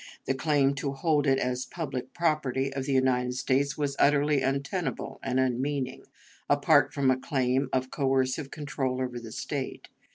The claim to hold it as "public property" of the United States was utterly untenable and unmeaning, apart from a claim of coercive control over the State.